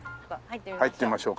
入ってみましょう。